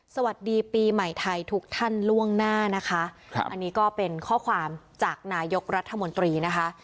สวัสดีปีใหม่ไทยทุกท่านล่วงหน้านะคะครับอันนี้ก็เป็นข้อความจากนายกรัฐมนตรีนะคะ